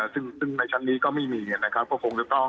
ซึ่งในชั้นนี้ก็ไม่มีนะครับก็คงจะต้อง